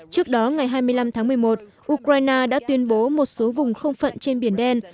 trước đó ngày hai mươi năm tháng một mươi một ukraine đã tuyên bố một số vùng không phận trên biển đen